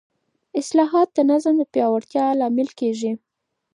اصلاحات د نظام د پیاوړتیا لامل کېږي